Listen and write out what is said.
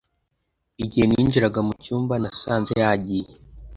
Igihe ninjiraga mucyumba nasanze yagiye,